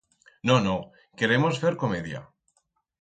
No, no... queremos fer comedia.